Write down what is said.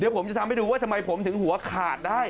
เดี๋ยวผมจะทำให้ดูว่าทำไมผมถึงหัวขาดได้